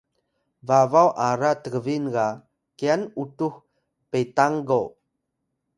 babaw ara Tgbin ga kyan utux Petangko